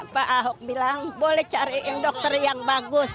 pak ahok bilang boleh cari dokter yang bagus